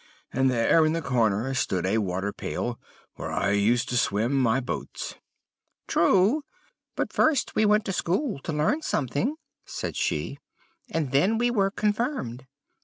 'And there in the corner stood a waterpail, where I used to swim my boats.' "'True; but first we went to school to learn somewhat,' said she; 'and then we were confirmed.